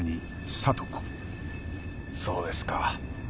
そうですか。